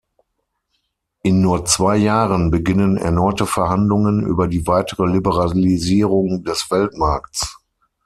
In nur zwei Jahren beginnen erneute Verhandlungen über die weitere Liberalisierung des Weltmarkts.